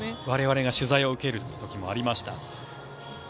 我々が取材を受ける時もありました。